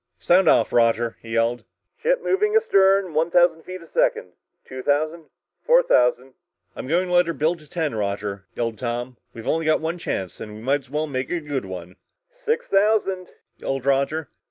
"Sound off, Roger!" he yelled. "Ship moving astern one thousand feet a second two thousand four thousand " "I'm going to let her build to ten, Roger," yelled Tom. "We've only got one chance and we might as well make it a good one!" "Six thousand!" yelled Roger.